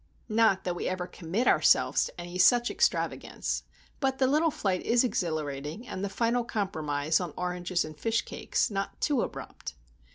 Not that we ever commit ourselves to any such extravagance; but the little flight is exhilarating, and the final compromise on oranges and fish cakes not too abrupt.